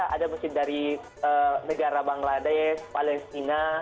ada masjid dari negara bangladesh palestina